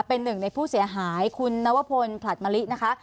เป็นหนึ่งในผู้เสียหายคุณนวพลผลัดมะลินะคะ